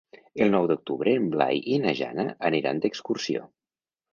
El nou d'octubre en Blai i na Jana aniran d'excursió.